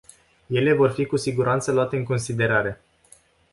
Ele vor fi cu siguranță luate în considerare.